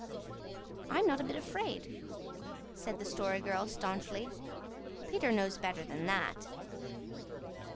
"I'm not a bit afraid," said the Story Girl staunchly. "Peter knows better than that."